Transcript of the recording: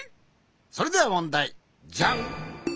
それではもんだい。じゃん！